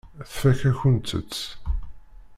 Tfakk-akent-tt.